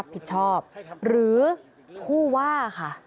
พตรพูดถึงเรื่องนี้ยังไงลองฟังกันหน่อยค่ะ